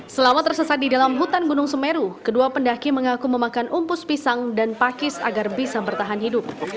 selama tersesat di dalam hutan gunung semeru kedua pendaki mengaku memakan umpus pisang dan pakis agar bisa bertahan hidup